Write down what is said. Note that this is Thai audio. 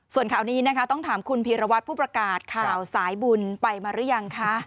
ส่วนข่าวนี้นะคะต้องถามคุณพีรวัตรผู้ประกาศข่าวสายบุญไปมาหรือยังคะ